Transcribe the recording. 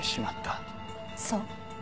そう。